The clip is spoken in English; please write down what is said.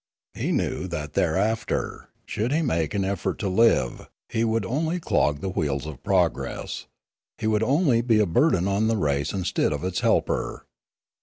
He knew that thereafter, should he make effort to live, he would only clog the wheels of progress, he would only be a burden on the race instead of its helper.